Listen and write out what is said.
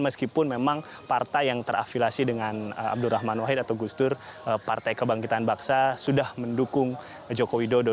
meskipun memang partai yang terafilasi dengan abdurrahman wahid atau gus dur partai kebangkitan bangsa sudah mendukung jokowi dodo